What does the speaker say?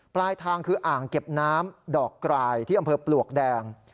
ปลายทางคืออ่างเก็บน้ำดอกกรายที่อำเภอปลวกแดง